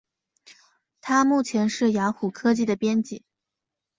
他目前是雅虎科技的编辑。